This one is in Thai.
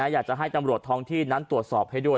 อยากจะให้ตำรวจท้องที่นั้นตรวจสอบให้ด้วย